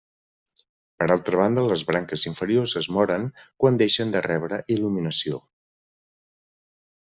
Per altra banda les branques inferiors es moren quan deixen de rebre il·luminació.